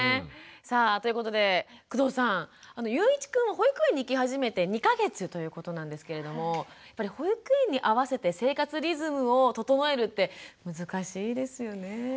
さあということで工藤さんゆういちくん保育園に行き始めて２か月ということなんですけれどもやっぱり保育園に合わせて生活リズムを整えるって難しいですよね？